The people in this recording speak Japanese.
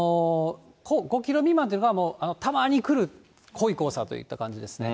５キロ未満というのが、たまに来る濃い黄砂といった感じですね。